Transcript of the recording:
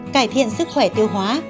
cải thiện sức khỏe tiêu hóa